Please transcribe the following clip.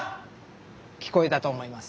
聞こえたと思います。